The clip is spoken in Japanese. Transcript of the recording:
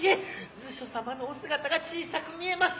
図書様のお姿が小さく見えます。